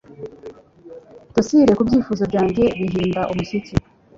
Docile kubyifuzo byanjye bihinda umushyitsi